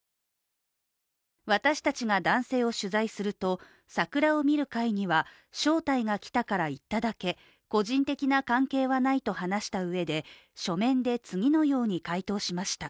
私たちが男性を取材すると、桜を見る会には招待が来たから行っただけ個人的な関係はないと話したうえで書面で次のように回答しました。